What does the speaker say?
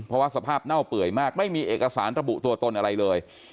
เพราะว่าสภาพเน่าเปื่อยมากไม่มีเอกสารระบุตัวตนอะไรเลย